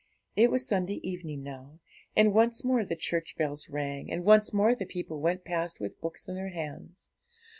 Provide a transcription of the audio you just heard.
It was Sunday evening now, and once more the church bells rang, and once more the people went past with books in their hands.